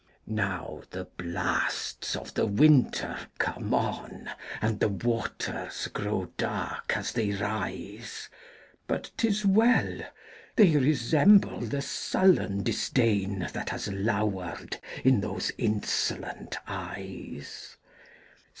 Now the blasts of the winter come on, And the waters grow dark as they rise! But 't is well!—they resemble the sullen disdainThat has lowered in those insolent eyes.